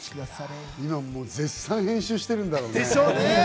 今、絶賛編集してるんだろうな。